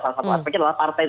salah satu aspeknya adalah partai